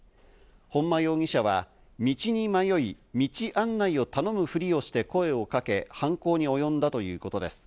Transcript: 本間容疑者は道に迷い、道案内を頼むふりをして声をかけ、犯行に及んだということです。